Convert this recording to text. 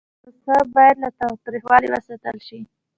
پسه باید له تاوتریخوالي وساتل شي.